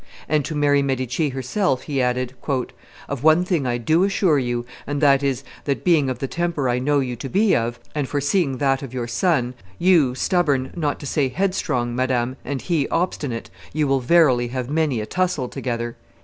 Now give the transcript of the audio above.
And to Mary de' Medici herself he added, "Of one thing I do assure you, and that is, that, being of the temper I know you to be of, and foreseeing that of your son, you stubborn, not to say headstrong, madame, and he obstinate, you will verily have many a tussle together."